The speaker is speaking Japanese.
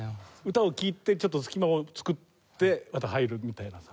歌を聴いてちょっと隙間を作ってまた入るみたいなさ。